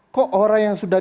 kok orang yang sudah